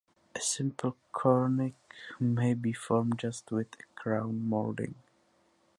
A simple cornice may be formed just with a crown molding.